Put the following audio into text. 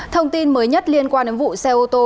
thông tin mới nhất liên quan đến vụ xe ô tô